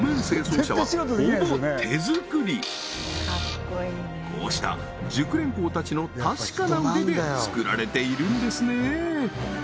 このはいこうした熟練工たちの確かな腕で作られているんですね